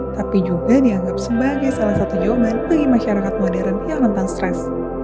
tapi juga dianggap sebagai salah satu jawaban bagi masyarakat modern yang rentan stres